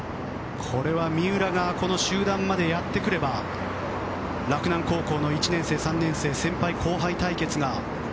これは三浦がこの集団までやってくれば洛南高校の１年生、３年生先輩・後輩対決が。